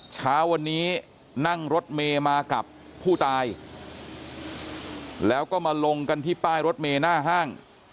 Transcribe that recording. เช้าวันนี้นั่งรถเมย์มากับผู้ตายแล้วก็มาลงกันที่ป้ายรถเมย์หน้าห้าง